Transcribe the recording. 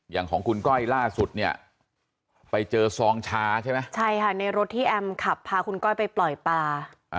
อย่างของคุณก้อยล่าสุดเนี่ยไปเจอซองชาใช่ไหมใช่ค่ะในรถที่แอมขับพาคุณก้อยไปปล่อยปลา